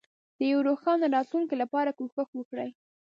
د یوې روښانه راتلونکې لپاره کوښښ وکړئ.